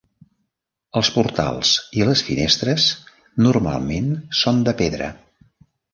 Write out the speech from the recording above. Els portals i les finestres normalment són de pedra.